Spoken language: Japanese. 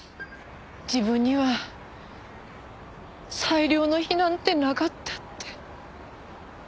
自分には最良の日なんてなかったって。